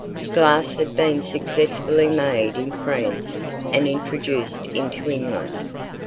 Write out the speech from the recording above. Glass had been successfully made in France and introduced into England.